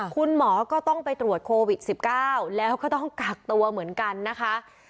คุณหมอก็ต้องไปตรวจโควิด๑๙แล้วก็ต้องกักตัวเหมือนกันนะคะ